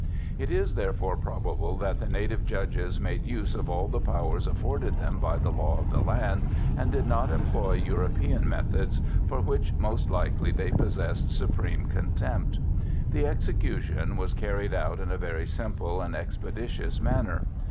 It is therefore probable that the native judges made use of all the powers afforded them by the law of the land, and did not employ European methods for which, most likely, they possessed supreme contempt. The execution was carried out in a very simple and expeditious manner.